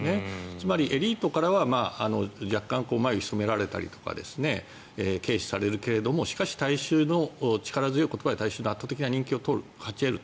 つまりエリートからは若干、眉をひそめられたりとか軽視されるけどもしかし力強い言葉で、大衆の圧倒的な人気を勝ち得る。